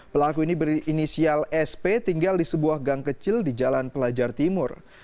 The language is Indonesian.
pelaku ini berinisial sp tinggal di sebuah gang kecil di jalan pelajar timur